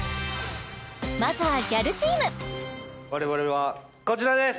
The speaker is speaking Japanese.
まずはギャルチーム我々はこちらです